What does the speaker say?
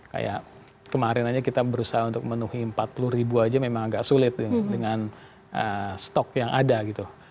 kayak kemarin aja kita berusaha untuk menuhi empat puluh ribu aja memang agak sulit dengan stok yang ada gitu